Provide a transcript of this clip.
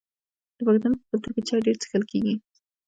د پښتنو په کلتور کې چای ډیر څښل کیږي.